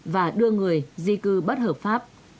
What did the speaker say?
và đưa người di cư bất hợp pháp